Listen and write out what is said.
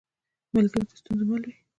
ملګری د ستونزو مل وي